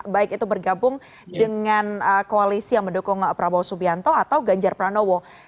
baik itu bergabung dengan koalisi yang mendukung prabowo subianto atau ganjar pranowo